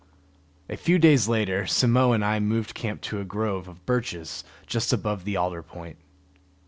A few days later Simmo and I moved camp to a grove of birches just above the alder point.